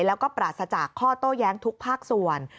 แล้วก็ปราศจากข้อโต้แย้งทุกภาคส่วน